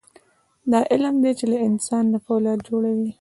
دا علم دی چې له انسان نه فولاد جوړوي.